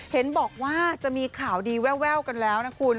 เห็นบอกว่าจะมีข่าวดีแววกันแล้วนะคุณ